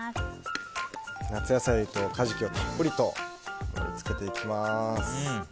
夏野菜とカジキをたっぷりと盛り付けていきます。